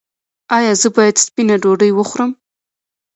ایا زه باید سپینه ډوډۍ وخورم؟